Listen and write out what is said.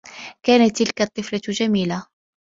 كانت تلك الطّفلة جميلة.